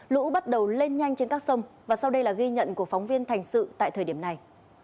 lũ bắt đầu lên nhanh trên các sông và sau đây là ghi nhận của phóng viên thành sự tại thời điểm này